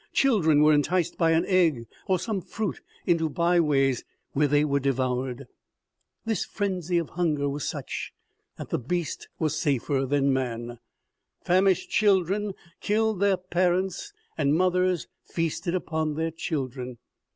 Children were enticed by an egg or some fruit into by ways, where they were devoured. This frenzy of hunger OMEGA . 141 THE HUT IN THE FOREST OF MACON. 142 OMEGA. was such that the beast was safer than man. Famished children killed their parents, and mothers feasted upon their children.